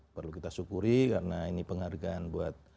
perlu kita syukuri karena ini penghargaan buat